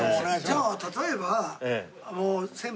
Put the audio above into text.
じゃあ例えば。